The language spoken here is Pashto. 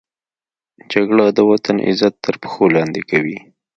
جګړه د وطن عزت تر پښو لاندې کوي